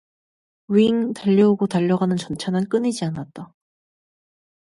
윙 달려오고 달려가는 전차는 끊이지 않았다.